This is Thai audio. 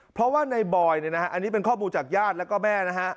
เพราะว่าในบอยเนี่ยนะฮะอันนี้เป็นข้อมูลจากญาติแล้วก็แม่นะฮะ